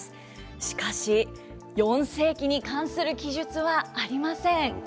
しかし、４世紀に関する記述はありません。